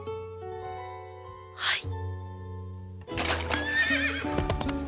はい！